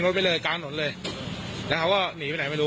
เคยเจออยู่พี่คนนั้น